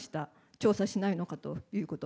調査しないのかということ。